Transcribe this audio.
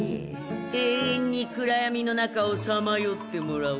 永遠に暗闇の中をさまよってもらおうか。